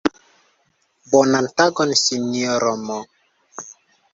Bonan tagon sinjoro M.!